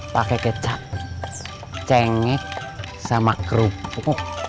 pakai kecap cengek sama kerupuk